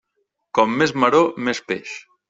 Com més maror, més peix.